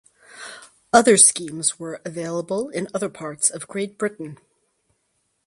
Other schemes were available in other parts of Great Britain.